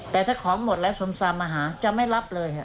แต่ถ้าของหมดแล้วสมซามมาหาจะไม่รับเลยค่ะ